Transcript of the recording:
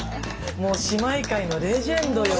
もう姉妹界のレジェンドよ。